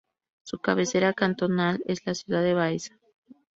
Su cabecera cantonal es la ciudad de Baeza.